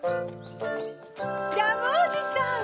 ジャムおじさん。